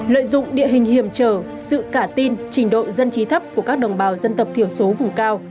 lợi dụng địa hình hiểm trở sự cả tin trình độ dân trí thấp của các đồng bào dân tộc thiểu số vùng cao